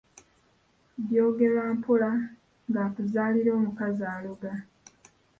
“Byogerwa mpola ng'akuzaalira omukazi aloga”